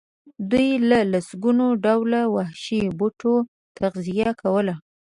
دوی له لسګونو ډوله وحشي بوټو تغذیه کوله.